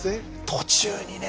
途中にね